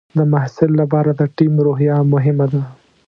د محصل لپاره د ټیم روحیه مهمه ده.